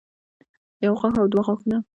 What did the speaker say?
يو غاښ او دوه غاښونه